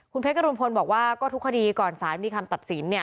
คุณเพชรกรุงพลบอกว่าก็ทุกคดีก่อนศาลมีคำตัดสินเนี่ย